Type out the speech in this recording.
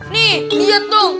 nih liat dong